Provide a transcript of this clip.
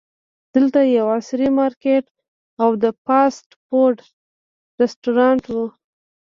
دلته یو عصري مارکیټ او د فاسټ فوډ رسټورانټ و.